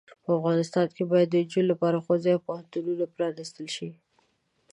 په افغانستان کې باید د انجونو لپاره ښوونځې او پوهنتونونه پرانستل شې.